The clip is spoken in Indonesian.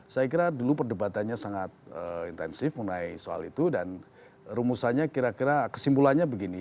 saya kira dulu perdebatannya sangat intensif mengenai soal itu dan rumusannya kira kira kesimpulannya begini